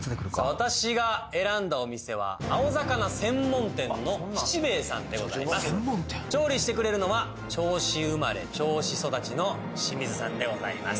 私が選んだお店は青魚専門店の七兵衛さんでございます調理してくれるのは銚子生まれ銚子育ちの清水さんでございます